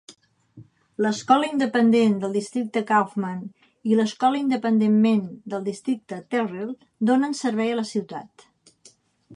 L'Escola Independent del Districte Kaufman i l'Escola Independentment del Districte Terrell donen servei a la ciutat.